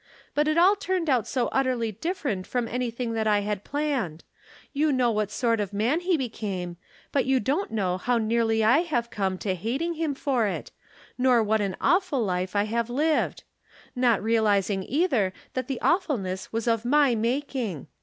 But it all turned oiit so utterly .different from anything that I had planned. You know what sort of man he became ; but you don't know how nearly I have come to hating him for it, nor what an awful life I have Uved; not realizing, either, that the awfulness was of my making.